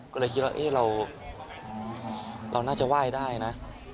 ก็เลยคิดว่าเราน่าจะไหว้ได้นะ